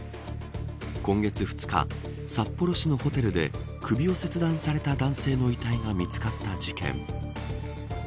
今月２日札幌市のホテルで首を切断された男性の遺体が見つかった事件。